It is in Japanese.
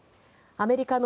アメリカの